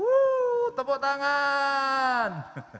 wuuu tepuk tangan